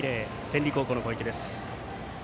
天理高校の攻撃です。